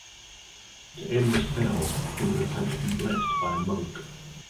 To end the spell, they would have to be blessed by a monk.